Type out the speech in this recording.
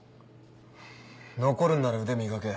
残るんなら腕磨け。